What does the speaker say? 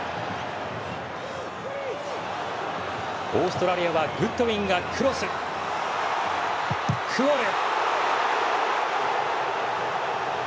オーストラリアはグッドウィンがクロス、そしてクオル。